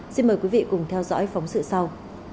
xin mời quý vị cùng theo dõi phóng sự sau